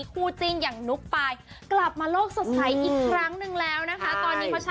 ก็กลับมาโรคสดใสอีกครั้งแล้วนะคะ